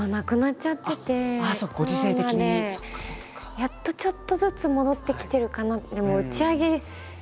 やっとちょっとずつ戻ってきてるかな。